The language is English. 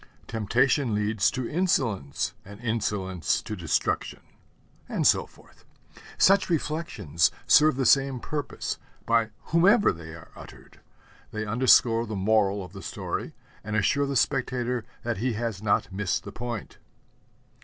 'Temptation leads to insolence, and insolence to destruction'; and so forth. Such reflections serve the same purpose, by whomever they are uttered. They underscore the moral of the story and assure the spectator that he has not missed the point.